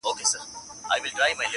کډه ستا له کلي بارومه نور ,